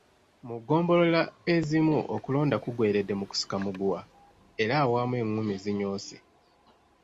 Mu ggombolola ezimu okulonda kuggweeredde mu kusika muguwa era awamu enguumi zinyoose.